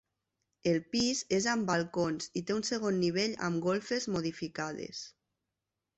El pis és amb balcons i té un segon nivell amb golfes modificades.